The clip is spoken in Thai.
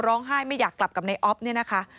ร้องไห้ไม่อยากกลับกับนายอ๊อฟนี่นะคะ